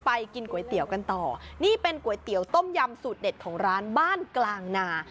กินก๋วยเตี๋ยวกันต่อนี่เป็นก๋วยเตี๋ยวต้มยำสูตรเด็ดของร้านบ้านกลางนา